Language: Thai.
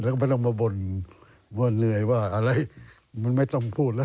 แล้วก็ไม่ต้องมาบ่นว่าเหนื่อยว่าอะไรมันไม่ต้องพูดแล้ว